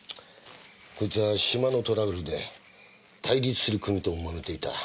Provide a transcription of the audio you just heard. こいつはシマのトラブルで対立する組ともめていた。